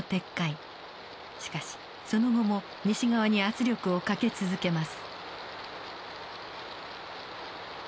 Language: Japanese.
しかしその後も西側に圧力をかけ続けます。